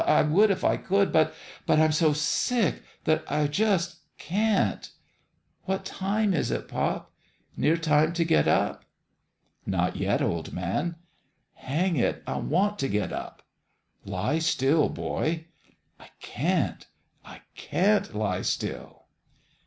I would if I could ; but but I'm so sick that I just can't. What time is it, pop ? Near time to get up ?"" Not yet, old man." " Hang it ! I want to get up." " Lie still, boy." " I can't I can't lie still."